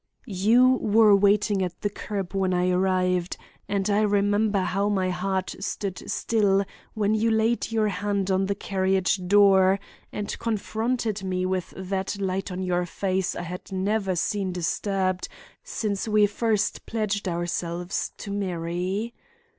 "You were waiting at the curb when I arrived, and I remember how my heart stood still when you laid your hand on the carriage door and confronted me with that light on your face I had never seen disturbed since we first pledged ourselves to marry.